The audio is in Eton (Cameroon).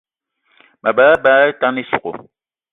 Mabe á lebá atane ísogò